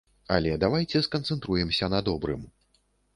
Але давайце сканцэнтруемся на добрым.